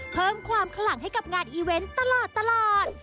เพิ่มความขลังให้กับงานอีเวนต์ตลอด